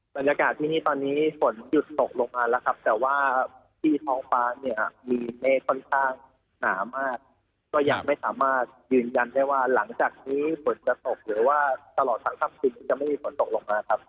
บรรยากาศที่นี่ตอนนี้ฝนหยุดตกลงมาแล้วครับแต่ว่าที่ท้องฟ้าเนี่ยมีเมฆค่อนข้างหนามากก็ยังไม่สามารถยืนยันได้ว่าหลังจากนี้ฝนจะตกหรือว่าตลอดทั้งค่ำคืนนี้จะไม่มีฝนตกลงมาครับ